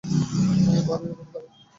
বারের উপরে তাকাও।